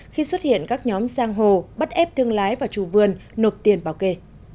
khi xuất hiện các nhóm sang hồ bắt ép thương lái vào trù vườn nộp tiền vào kề